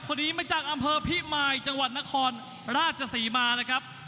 คนนี้มาจากอำเภอพิมายจังหวัดนครราชศรีมานะครับ